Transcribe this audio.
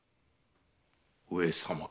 上様。